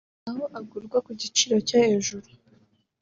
aho agurwa ku giciro cyo hejuru